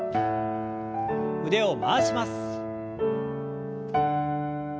腕を回します。